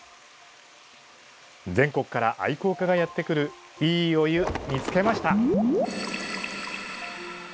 全国から愛好家がやってくるいいお湯見つけました。